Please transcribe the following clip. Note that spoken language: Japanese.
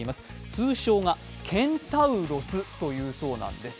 通称がケンタウロスというそうなんです。